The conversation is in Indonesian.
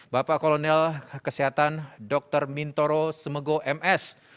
bapak kolonel kesehatan dr mintoro semego ms